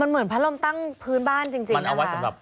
มันเหมือนพัดลมตั้งพื้นบ้านจริงนะ